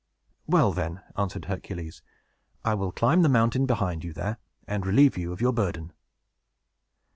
"Well, then," answered Hercules, "I will climb the mountain behind you there, and relieve you of your burden."